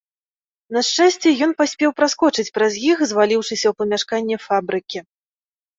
На шчасце, ён паспеў праскочыць праз іх, зваліўшыся ў памяшканне фабрыкі.